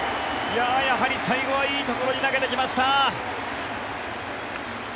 やはり最後はいいところに投げてきました。